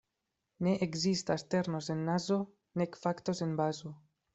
Ne ekzistas terno sen nazo nek fakto sen bazo.